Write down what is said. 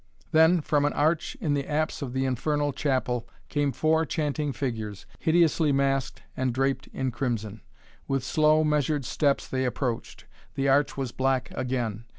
Then, from an arch in the apse of the infernal chapel, came four chanting figures, hideously masked and draped in crimson. With slow, measured steps they approached. The arch was black again.